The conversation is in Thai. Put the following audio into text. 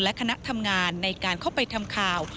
และคณะทำงานในการเข้าไปทำข่าว